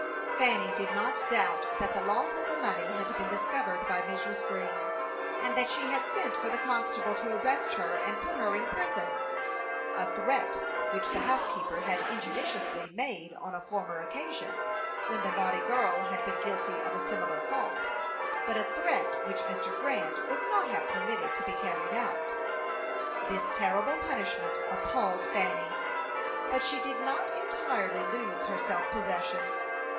Fanny did not doubt that the loss of the money had been discovered by Mrs. Green, and that she had sent for the constable to arrest her and put her in prison a threat which the housekeeper had injudiciously made on a former occasion, when the naughty girl had been guilty of a similar fault, but a threat which Mr. Grant would not have permitted to be carried out. This terrible punishment appalled Fanny, but she did not entirely lose her self possession.